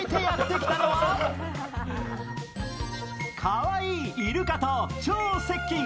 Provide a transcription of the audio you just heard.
かわいいイルカと超接近。